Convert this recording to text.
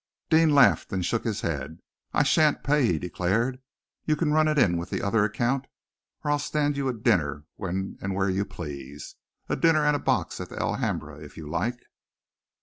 Deane laughed, and shook his head. "I sha'n't pay," he declared. "You can run it in with the other account, or I'll stand you a dinner when and where you please, a dinner and a box at the Alhambra, if you like."